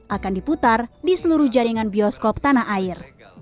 akan diputar di seluruh jaringan bioskop tanah air